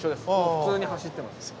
普通に走ってます。